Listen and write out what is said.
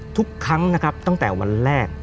ทุกครั้งนะครับตั้งแต่วันแรก